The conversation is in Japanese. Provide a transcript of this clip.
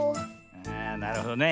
ああなるほどね。